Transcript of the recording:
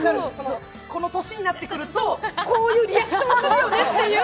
この年になってくると、こういうリアクションするよねと。